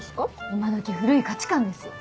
今どき古い価値観ですよ。